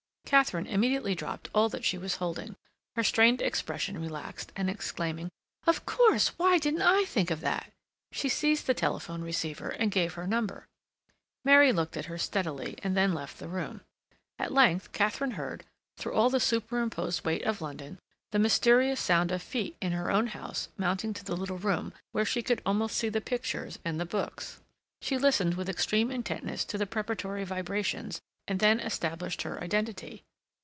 Katharine immediately dropped all that she was holding; her strained expression relaxed, and exclaiming, "Of course! Why didn't I think of that!" she seized the telephone receiver and gave her number. Mary looked at her steadily, and then left the room. At length Katharine heard, through all the superimposed weight of London, the mysterious sound of feet in her own house mounting to the little room, where she could almost see the pictures and the books; she listened with extreme intentness to the preparatory vibrations, and then established her identity.